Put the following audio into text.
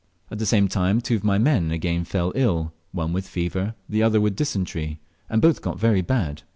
At the same time two of my men again fell ill, one with fever, the other with dysentery, and both got very bad.